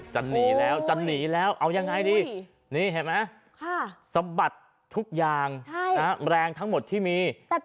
จะหนีแล้วจะหนีแล้วเอายังไงดีนี่เห็นไหมสะบัดทุกอย่างแรงทั้งหมดที่มี